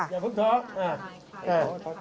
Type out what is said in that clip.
อย่าคุ้มเทาะ